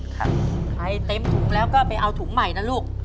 ใครเต็มถุงแล้วก็ไปเอาถุงใหม่นะลูก